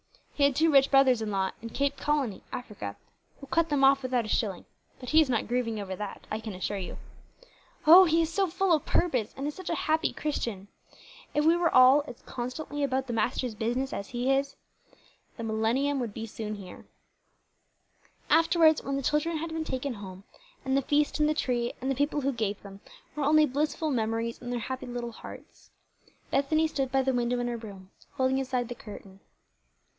He had two rich brothers in law in Cape Colony, Africa, who cut them off without a shilling, but he is not grieving over that, I can assure you. O, he is so full of his purpose, and is such a happy Christian! If we were all as constantly about the Master's business as he is, the millennium would soon be here." Afterward, when the children had been taken home, and the feast and the tree, and the people who gave them, were only blissful memories in their happy little hearts, Bethany stood by the window in her room, holding aside the curtain.